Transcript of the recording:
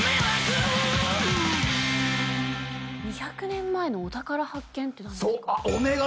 「２００年前のお宝発見」って何ですか？